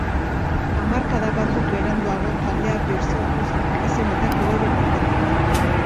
Hamarkada batzuk beranduago taldea birsortu zen, izen eta kolore berdinekin.